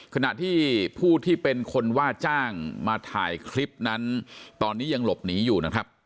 ขณะที่ผู้ที่เป็นคนว่าจ้างมาถ่ายคลิปนั้นตอนนี้ยังหลบหนีอยู่นะครับ